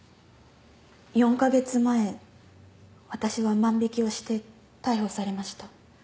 ４カ月前私は万引をして逮捕されました。